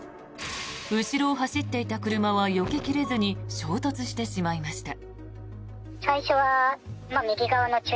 後ろを走っていた車はよけ切れずに衝突してしまいました。